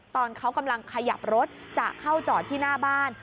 ตอนเขากำลังขยับรถจะเข้าจอดที่หน้าบ้าน